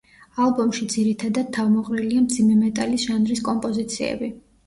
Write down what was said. ალბომში ძირითადად თავმოყრილია მძიმე მეტალის ჟანრის კომპოზიციები.